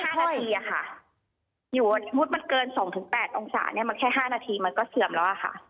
๕นาทีค่ะสมมติมันเกิน๒๘องศามันแค่๕นาทีมันก็เสื่อมแล้วค่ะ